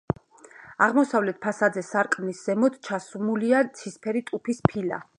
აღმოსავლეთ ფასადზე სარკმლის ზემოთ ჩასმულია ცისფერი ტუფის ფილა.